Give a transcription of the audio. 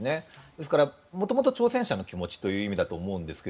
ですから、元々挑戦者の気持ちという意味だと思うんですが